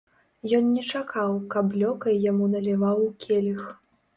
Ён не чакаў, каб лёкай яму наліваў у келіх.